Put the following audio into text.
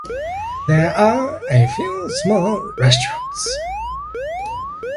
There are a few small restaurants.